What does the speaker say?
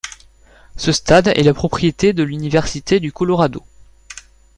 Ce stade est la propriété de l'Université du Colorado.